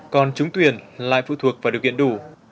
còn trúng tuyển lại phụ thuộc vào điều kiện đủ